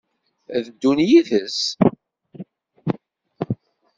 Ad ddun yid-s?